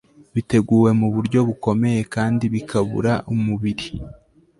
biteguwe mu buryo bukomeye kandi bikabura umubiri